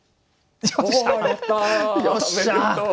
よっしゃ！